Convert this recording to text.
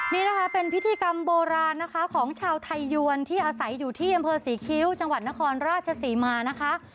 นี่นะคะเป็นพิธีกรรมโบราณนะคะของชาวไทยยวนที่อาศัยอยู่ที่อำเภอศรีคิ้วจังหวัดนครราชศรีมานะคะ